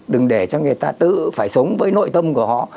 đừng để cho người ta tự phải sống với nội tâm của họ